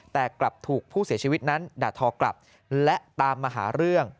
แต่กลับถูกผู้เสียชีวิตนั้นด่าทอกลับและตามมาหาเรื่อง